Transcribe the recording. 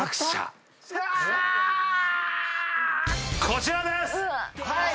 こちらです！